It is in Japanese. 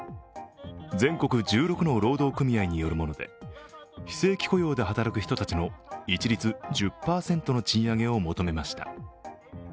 全国１６の労働組合によるもので非正規雇用を働く人たちの一律１０％の賃上げを求めました。